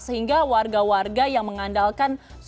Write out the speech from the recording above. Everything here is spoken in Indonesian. sehingga warga warga yang mengandung ini mereka juga mengandung ini